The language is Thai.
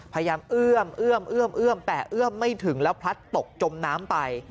เอื้อมเอื้อมเอื้อมเอื้อมแต่เอื้อมไม่ถึงแล้วพลัดตกจมน้ำไป